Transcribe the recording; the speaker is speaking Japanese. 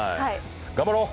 頑張ろう。